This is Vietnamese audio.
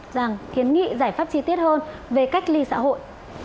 rằng kiến nghị giải pháp chi tiết hơn về cách ly xã hội